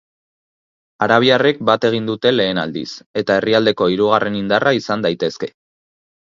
Arabiarrek bat egin dute lehen aldiz, eta herrialdeko hirugarren indarra izan daitezke.